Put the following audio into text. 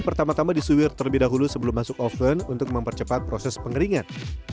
pertama tama disuir terlebih dahulu sebelum masuk oven untuk mempercepat proses pengeringan